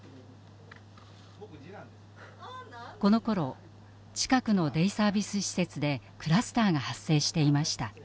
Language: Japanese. このころ近くのデイサービス施設でクラスターが発生していました。